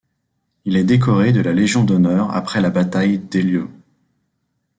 Il est décoré de la Légion d'honneur après la bataille d'Eylau.